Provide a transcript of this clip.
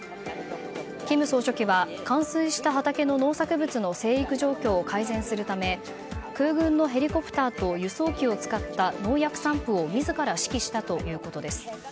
金総書記は冠水した畑の農作物の生育状況を改善するため空軍のヘリコプターと輸送機を使った農薬散布を自ら指揮したということです。